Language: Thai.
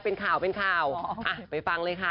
เป็นข่าวไปฟังเลยค่ะ